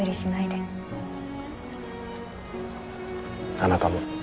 あなたも。